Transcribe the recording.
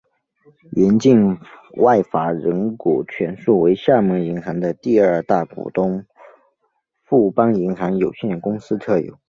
原境外法人股全数为厦门银行的第二大股东富邦银行有限公司持有。